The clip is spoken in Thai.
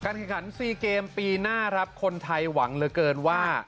แข่งขัน๔เกมปีหน้าครับคนไทยหวังเหลือเกินว่า